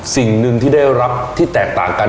สิ่งหนึ่งที่ได้รับที่แตกต่างกัน